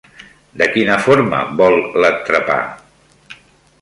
De quina forma vol l'entrepà?